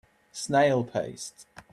Snail paced